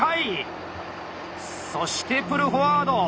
そしてプルフォワード。